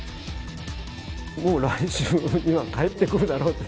もう来週には返ってくるだろうと。